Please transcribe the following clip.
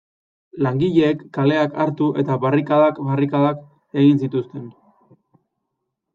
Langileek kaleak hartu eta barrikadak barrikadak egin zituzten.